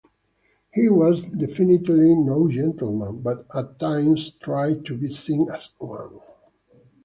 He was definitely no gentleman; but at times tried to be seen as one.